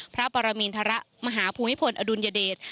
พระปรมินทรมาหาภูมิพลอดุลยเดช